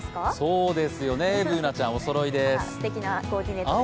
そうですよね、Ｂｏｏｎａちゃん、おそろいでーす。